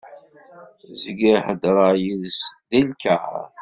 Zgiɣ heddreɣ yid-s deg lkaṛ.